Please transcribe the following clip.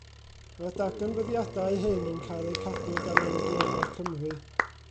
Mae'r darganfyddiadau hyn yn cael eu cadw gan Amgueddfa Cymru.